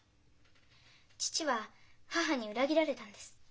父は母に裏切られたんです。